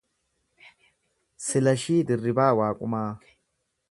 Silashii Dirribaa Waaqumaa